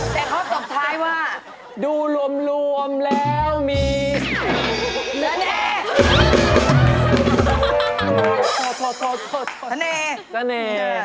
ทันเนชันเน